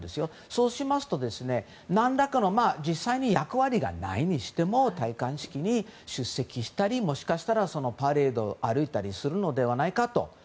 そうしますと、何らかの実際には役割がないにしても戴冠式に出席したりもしかしたらパレードを歩いたりするのではないかと。